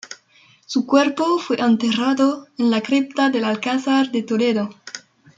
Su cuerpo fue enterrado en la Cripta del Alcázar de Toledo.